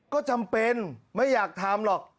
ก็จำเป็นไม่อยากทำหรอก